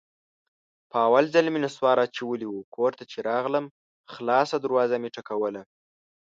په اول ځل مې نصوار اچولي وو، کور ته چې راغلم خلاصه دروازه مې ټکوله.